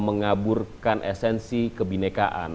mengaburkan esensi kebinekaan